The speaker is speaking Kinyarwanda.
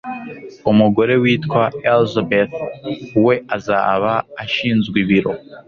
Umugore witwa Elizabeth we azaba ashinzwe ibiro